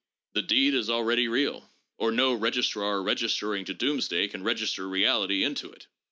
The deed is already real, or no registrar registering to doomsday can register reality into it.